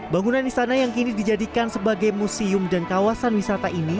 bangunan istana yang kini dijadikan sebagai museum dan kawasan wisata ini